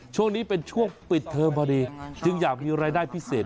ช่วงนี้เป็นช่วงปิดเทอมพอดีจึงอยากมีรายได้พิเศษ